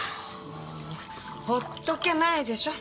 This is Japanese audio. もうほっとけないでしょ。